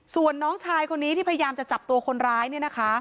ส่วนน้องชายคนนี้ที่พยายามจะจับตัวคนร้ายเนี่ยนะคะ